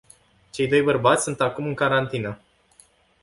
Cei doi bărbați sunt acum în carantină.